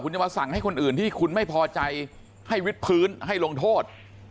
จะมาสั่งให้คนอื่นที่คุณไม่พอใจให้วิทพื้นให้ลงโทษ